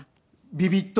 ビビッと婚。